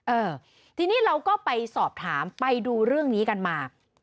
เออทีนี้เราก็ไปสอบถามไปดูเรื่องนี้กันมา